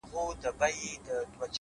سـتـــا خــبــــــري دي _